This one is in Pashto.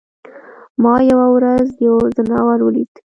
ما یوه ورځ یو ځناور ولید.